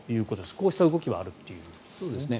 こうした動きはあるということですね。